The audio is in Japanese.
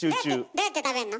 どうやって食べんの？